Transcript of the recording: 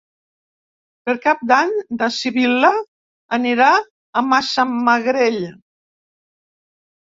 Per Cap d'Any na Sibil·la anirà a Massamagrell.